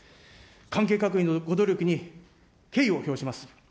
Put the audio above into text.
関係各位のご努力に敬意を表します。